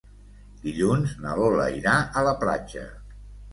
Dilluns na Lola irà a la platja.